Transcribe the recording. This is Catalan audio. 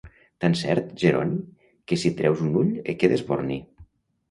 Tan cert, Geroni, que si et treus un ull et quedes borni.